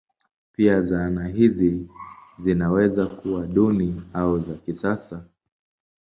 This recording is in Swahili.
Pia zana hizo zinaweza kuwa duni au za kisasa.